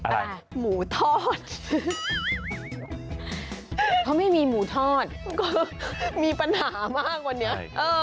อะไรหมูทอดเขาไม่มีหมูทอดก็มีปัญหามากวันนี้